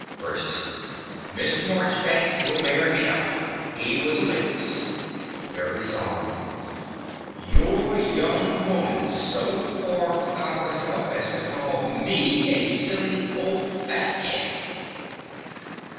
BURGESS. Mr. Morchbanks will bear me out: he was a witness. (Very solemnly.) Your young woman so far forgot herself as to call me a silly ole fat 'ead.